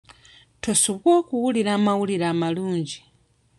Tosubwa okuwulira amawulire amalungi.